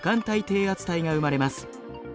低圧帯が生まれます。